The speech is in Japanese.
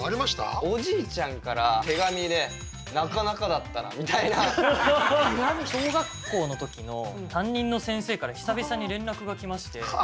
おじいちゃんから手紙で「なかなかだったな」みたいな。小学校の時の担任の先生から久々に連絡が来まして。